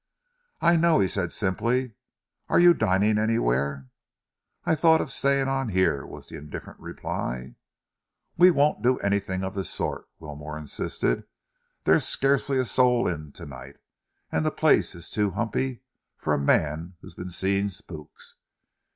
"I know," he said simply. "Are you dining anywhere?" "I thought of staying on here," was the indifferent reply. "We won't do anything of the sort," Wilmore insisted. "There's scarcely a soul in to night, and the place is too humpy for a man who's been seeing spooks.